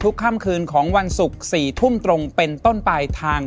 ค่ำคืนของวันศุกร์๔ทุ่มตรงเป็นต้นไปทาง